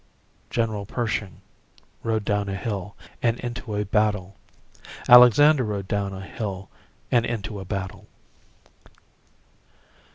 General Pershing rode down a hill and into a battle. Alexander rode down a hill and into a battle.